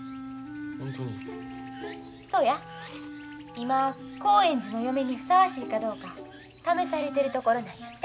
今興園寺の嫁にふさわしいかどうか試されてるところなんやて。